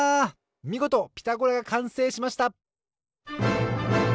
みごと「ピタゴラ」がかんせいしました！